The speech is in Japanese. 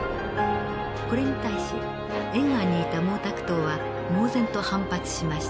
これに対し延安にいた毛沢東は猛然と反発しました。